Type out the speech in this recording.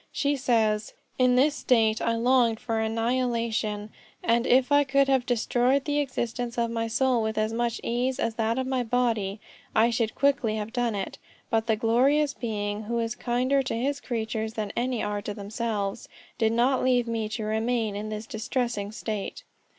She says, "In this state I longed for annihilation, and if I could have destroyed the existence of my soul with as much ease as that of my body, I should quickly have done it. But that glorious Being who is kinder to his creatures than they are to themselves, did not leave me to remain in this distressing state."